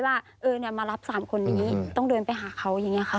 ว่ามารับ๓คนนี้ต้องเดินไปหาเขาอย่างนี้ค่ะ